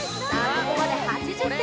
ここまで８０点